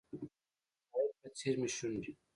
د ساحل په څیر مې شونډې